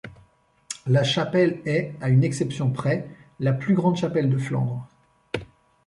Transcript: La chapelle est, à une exception près, la plus grande chapelle de Flandre.